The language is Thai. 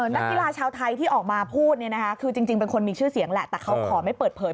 นักกีฬาชาวไทยที่ออกมาพูดเนี่ยนะคะคือจริงเป็นคนมีชื่อเสียงแหละแต่เขาขอไม่เปิดเผย